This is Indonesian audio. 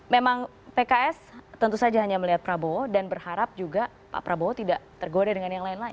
memang pks tentu saja hanya melihat prabowo dan berharap juga pak prabowo tidak tergoda dengan yang lain lain